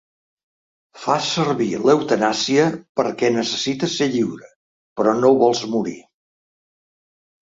Fas servir l’eutanàsia perquè necessites ser lliure, però no vols morir